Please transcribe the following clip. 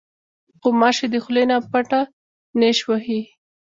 غوماشې د خولې نه پټه نیش وهي.